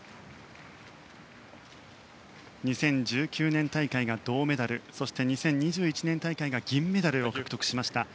２０１９年大会が銅メダルそして２０２１年大会では銀メダルを獲得しました。